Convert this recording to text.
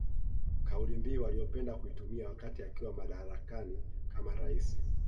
Kaulimbiu aliyopenda kuitumia wakati akiwa madarakani kama raisi